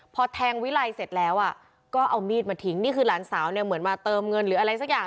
พอแทงวิไลเสร็จแล้วก็เอามีดมาทิ้งนี่คือหลานสาวเนี่ยเหมือนมาเติมเงินหรืออะไรสักอย่าง